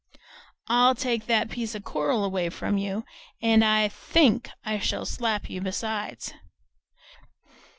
"I'll take that piece of coral away from you, and I THINK I shall slap you besides!"